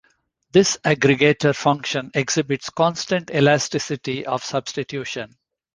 This aggregator function exhibits constant elasticity of substitution.